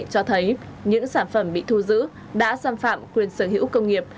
cho thấy những sản phẩm bị thu giữ đã xâm phạm quyền sở hữu công nghiệp